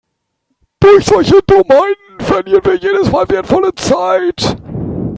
Durch solche Dummheiten verlieren wir jedes Mal wertvolle Zeit.